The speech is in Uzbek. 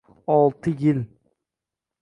— Olti yil.